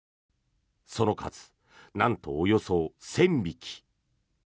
その数なんと、およそ１０００匹。